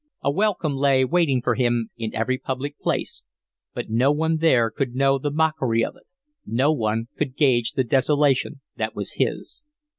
A welcome lay waiting for him in every public place, but no one there could know the mockery of it, no one could gauge the desolation that was his.